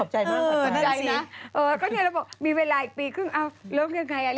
จริงเหรอ